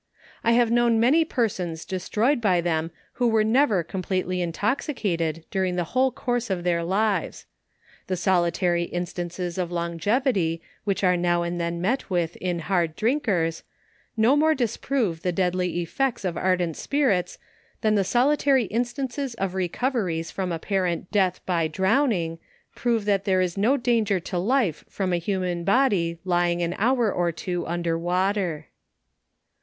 I have known many persons destroyed by them, who were never com pletely intoxicated during the whole course of their lives. The solitary instances of longevity which are now and then met with in hard drinkers, no more disprove the deadly effects of ardent spirits, than the solitary instances of recoveries from apparent death by drowning, prove that there is no danger to life from a human body lying an hour or two under water.